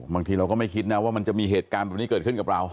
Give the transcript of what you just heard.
บางทีเราก็ไม่คิดนะว่ามันจะมีเหตุการณ์แบบนี้เกิดขึ้นกับเรา